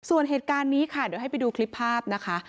ส่วนเหตุการณ์นี้ค่ะเดี๋ยวให้ไปดูคลิปภาพนะคะ